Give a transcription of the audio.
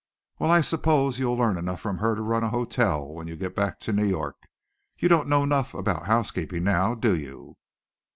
"Well I suppose you'll learn enough from her to run a hotel when you get back to New York. You don't know enough about housekeeping now, do you?"